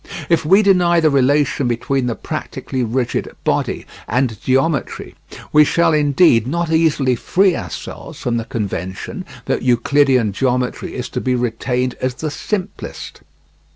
If we deny the relation between the practically rigid body and geometry, we shall indeed not easily free ourselves from the convention that Euclidean geometry is to be retained as the simplest.